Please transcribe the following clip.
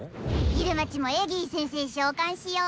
イルマちもエギー先生召喚しよー。